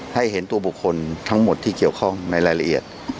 ให้เห็นตัวบุคคลทั้งหมดที่เกี่ยวข้องในรายละเอียด